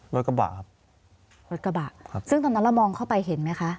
รถกระบะครับซึ่งตอนนั้นเรามองเข้าไปเห็นไหมคะ